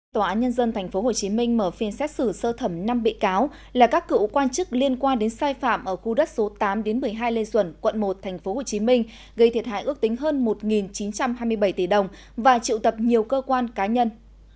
tòa án nhân dân tp hcm mở phiên xét xử sơ thẩm năm bị cáo là các cựu quan chức liên quan đến sai phạm ở khu đất số tám một mươi hai lê duẩn quận một tp hcm gây thiệt hại ước tính hơn một chín trăm hai mươi bảy tỷ đồng và triệu tập nhiều cơ quan cá nhân